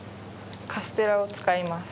カステラを使います。